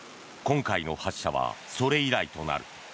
今回の発射はそれ以来となる。